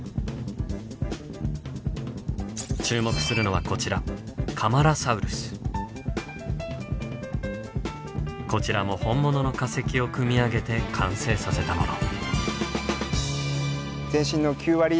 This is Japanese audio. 注目するのはこちらこちらも本物の化石を組み上げて完成させたもの。